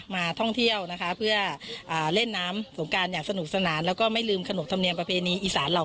ท่องเที่ยวนะคะเพื่อเล่นน้ำสงการอย่างสนุกสนานแล้วก็ไม่ลืมขนบธรรมเนียมประเพณีอีสานเหล่า